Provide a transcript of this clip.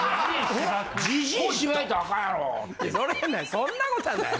そんな事はない。